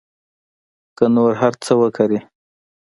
که نور هر څه وکري.